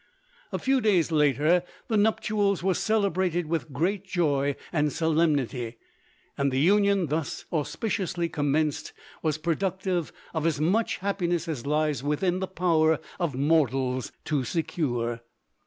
A few days later the nuptials were celebrated with great joy and solemnity, and the union thus auspiciously commenced was productive of as much happiness as lies within the power of mortals to secure.